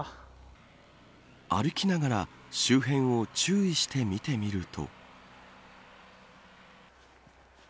歩きながら周辺を注意して見てみると。